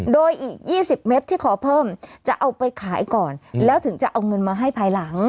โดยอีก๒๐เม็ดที่ขอเพิ่มจะเอาไปขายก่อนแล้วถึงจะเอาเงินมาให้ภายหลัง